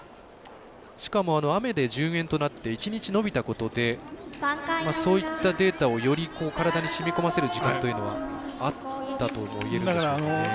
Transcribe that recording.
しかも雨で順延となって１日延びたことでそういったデータをしみこませる時間があったとも言えるんでしょうかね。